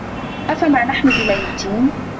أَفَما نَحنُ بِمَيِّتينَ